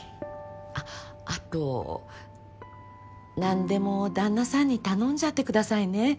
あっあと何でも旦那さんに頼んじゃってくださいね。